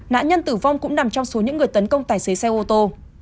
nạn nhân tử vong cũng nằm trong số những người tấn công tài xế xe ô tô